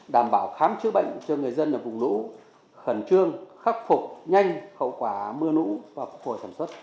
đảm bảo khám chữa bệnh cho người dân ở vùng nũ khẩn trương khắc phục nhanh khẩu quả mưa nũ và khổ sản xuất